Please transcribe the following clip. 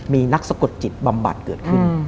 มีนักสะกดจิตบำบัดเกิดขึ้น